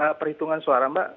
nanti ada perhitungan suara mbak